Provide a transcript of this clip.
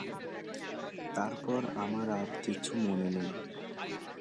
তারপর আমার আর কিছু মনে নেই।